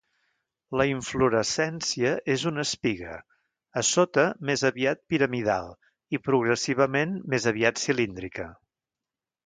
La inflorescència és una espiga, a sota més aviat piramidal i progressivament més aviat cilíndrica.